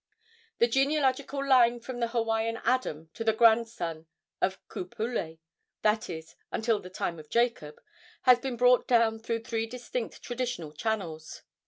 The genealogical line from the Hawaiian Adam to the grandson of Ku Pule that is, until the time of Jacob has been brought down through three distinct traditional channels.